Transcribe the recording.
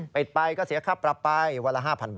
ปิดไปก็เสียค่าปรับไปวันละ๕๐๐๐บาทนะครับ